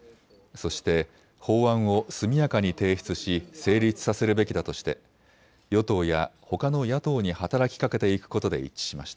そして法案を速やかに提出し成立させるべきだとして与党やほかの野党に働きかけていくことで一致しました。